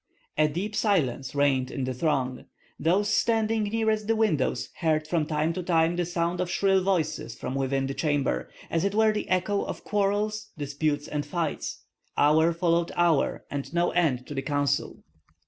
A deep silence reigned in the throng. Those standing nearest the windows heard from time to time the sound of shrill voices from within the chamber, as it were the echo of quarrels, disputes, and fights. Hour followed hour, and no end to the council.